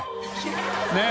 ねえ。